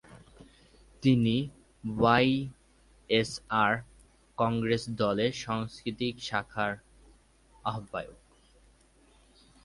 তিনি ওয়াইএসআর কংগ্রেস দলের সাংস্কৃতিক শাখার আহ্বায়ক।